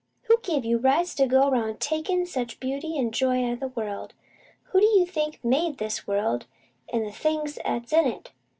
Who give you rights to go 'round takin' such beauty an' joy out of the world? Who do you think made this world an' the things 'at's in it?